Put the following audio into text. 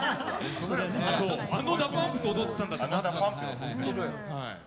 あのＤＡＰＵＭＰと踊ってたんだと思って。